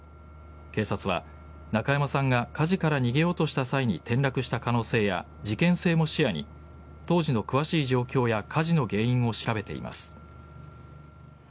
警察は、中山さんが火事から逃げようとした際に転落した可能性や、事件性も視野に、当時の詳しい状況や火事の原因を調べています。